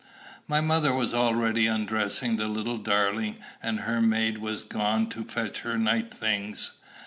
My mother was already undressing the little darling, and her maid was gone to fetch her night things.